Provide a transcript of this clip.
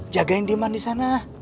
jagain diman di sana